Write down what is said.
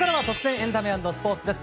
エンタメ＆スポーツです。